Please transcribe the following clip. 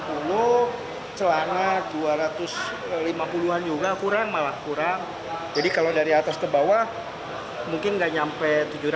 sepatu dua ratus lima puluh celana dua ratus lima puluh an juga kurang malah kurang jadi kalau dari atas ke bawah mungkin nggak nyampe tujuh ratus